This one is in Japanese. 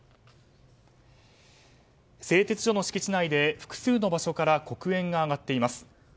製鉄所の敷地内で複数の場所から黒煙が上がっています。